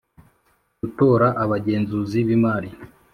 gutora abagenzuzi b imari